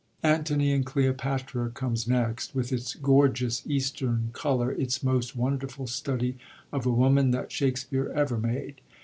Antony and Cleopatra comes next, with its gorgeous Eastern color, its most wonderful study of a woman that Shakspere ever made.